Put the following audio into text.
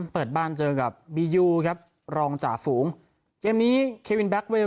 เปิดบ้านเจอกับบียูครับรองจ่าฝูงเกมนี้เควินแก๊กเวล